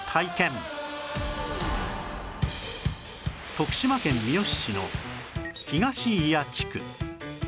徳島県三好市の東祖谷地区